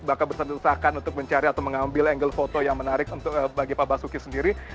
bahkan bersentusakan untuk mencari atau mengambil angle foto yang menarik bagi pak basuki sendiri